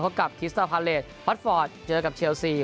เพราะกับคิสเตอร์พาเรดพอทฟอร์ดเจอกับเชลซี